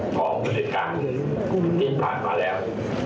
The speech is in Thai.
ของบริการที่ผ่านมาแล้ว